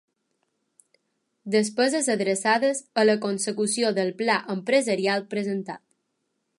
Despeses adreçades a la consecució del pla empresarial presentat.